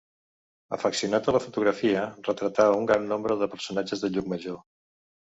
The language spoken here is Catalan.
Afeccionat a la fotografia, retratà un gran nombre de personatges de Llucmajor.